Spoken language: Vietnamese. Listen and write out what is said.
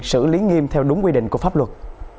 xử lý nghiêm theo đúng quy định của pháp luật